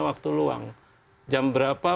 waktu luang jam berapa